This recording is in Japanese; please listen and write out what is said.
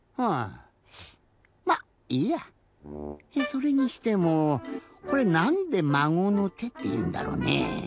それにしてもこれなんで「まごのて」っていうんだろうねぇ。